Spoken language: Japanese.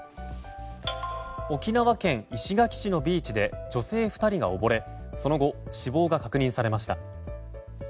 沖縄県石垣市のビーチで女性２人がおぼれその後、死亡が確認されました。